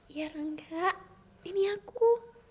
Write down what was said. ya rangga ini aku